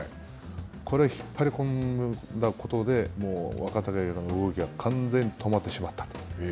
これ、引っ張り込んだことで、若隆景の動きが完全に止まってしまった。